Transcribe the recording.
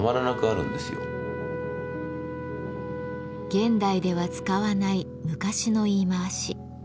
現代では使わない昔の言い回し。